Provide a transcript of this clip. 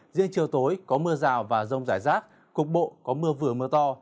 riêng chiều tối có mưa rào và rông rải rác cục bộ có mưa vừa mưa to